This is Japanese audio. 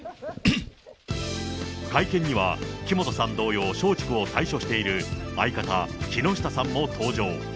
会見には、木本さん同様、松竹を退所している相方、木下さんも登場。